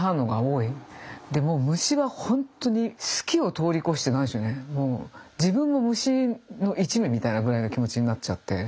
でもう虫は本当に好きを通り越して何でしょうねもう自分も虫の一味みたいなぐらいの気持ちになっちゃって。